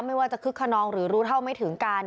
ไม่ว่าจะคึกขนองหรือรู้เท่าไม่ถึงการ